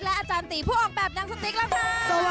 อาจารย์ตีผู้ออกแบบนางสติ๊กแล้วค่ะ